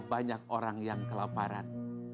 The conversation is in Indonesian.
banyak orang yang kelaparan